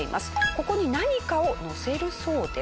ここに何かをのせるそうです。